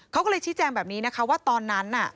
เขาก็เลยชี้แจงแบบนี้นะคะว่าตอนนั้นน่ะ